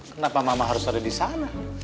kenapa mama harus ada di sana